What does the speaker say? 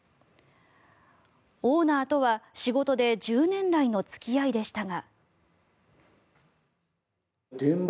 オーナーとは仕事で１０年来の付き合いでしたが。